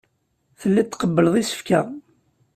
Telliḍ tqebbleḍ isefka.